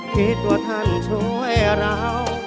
คิดว่าท่านช่วยเรา